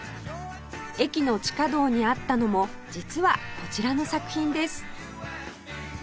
駅の地下道にあったのも実はこちらの作品です